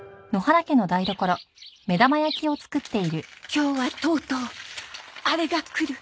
今日はとうとうあれが来る